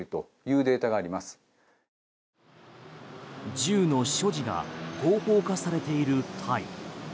銃の所持が合法化されているタイ。